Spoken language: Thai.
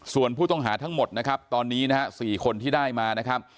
ส่วนผู้ต้องหาทั้งหมดนะครับตอนนี้นะฮะ๔คนที่ได้มานะครับ